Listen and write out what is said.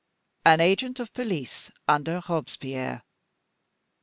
"An agent of police under Robespierre."